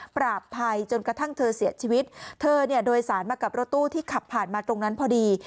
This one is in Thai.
ปราบภัยจนกระทั่งเธอเสียชีวิตเธอเนี่ยโดยสารมากับรถตู้ที่ขับผ่านมาตรงนั้นพอดี